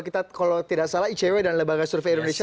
kalau tidak salah icyw dan lebangan survei indonesia